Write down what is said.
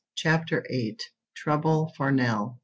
*Chapter VIII.* *TROUBLE FOR NELL.